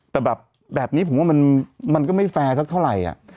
แต่แบบแบบนี้ผมว่ามันก็ไม่แฟร์สักเท่าไหร่